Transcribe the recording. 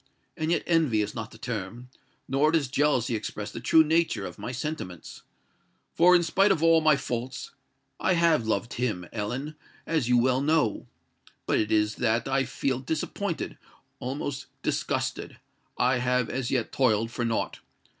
And yet envy is not the term—nor does jealousy express the true nature, of my sentiments. For, in spite of all my faults, I have loved him, Ellen—as you well know. But it is that I feel disappointed—almost disgusted:—I have as yet toiled for naught!